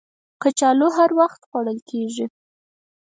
کچالو هر وخت خوړل کېږي